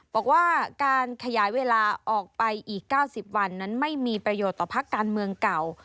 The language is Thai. บอกว่าการขยายเวลาออกไปอีก๙๐วันนั้นไม่มีประโยชน์ต่อพักการเมืองเก่า